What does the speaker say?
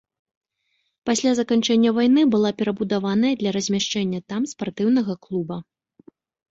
Пасля заканчэння вайны была перабудаваная для размяшчэння там спартыўнага клуба.